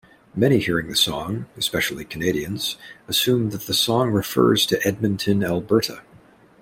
Many hearing the song, especially Canadians, assume that the song refers to Edmonton, Alberta.